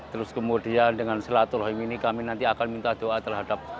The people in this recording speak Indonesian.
terus kemudian dengan silaturahim ini kami nanti akan minta doa terhadap